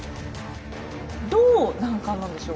どう難関なんでしょう？